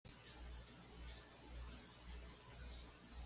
Estudió en la Academia de Bellas Artes de San Salvador, de Oviedo.